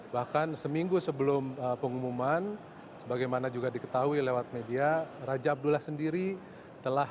bahkan seminggu sebelum pengumuman sebagaimana juga diketahui lewat media raja abdullah sendiri telah